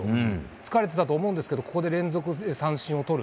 疲れてたと思うんですけどここで連続三振を取る。